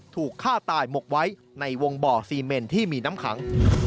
ถูกฆ่าตายหมกไว้ในวงบ่อซีเมนที่มีน้ำขัง